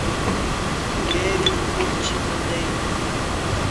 Geri phuchim dai